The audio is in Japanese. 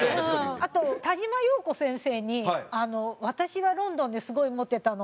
あと田嶋陽子先生に「私はロンドンですごいモテたの。